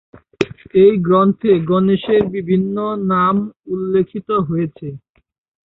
এই গ্রন্থে গণেশের বিভিন্ন নাম উল্লিখিত হয়েছে।